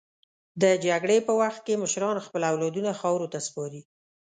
د جګړې په وخت کې مشران خپل اولادونه خاورو ته سپاري.